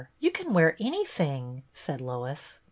You can wear anything," said Lois.